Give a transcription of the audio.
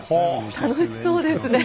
楽しそうですね。